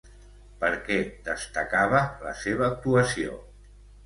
Per què destacava la seva actuació?